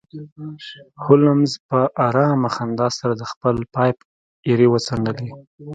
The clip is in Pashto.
هولمز په ارامه خندا سره د خپل پایپ ایرې وڅنډلې